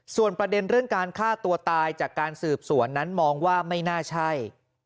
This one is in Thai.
ส่วนประเด็นเรื่องการฆ่าตัวตายจากการสืบสวนนั้นมองว่าไม่น่าใช่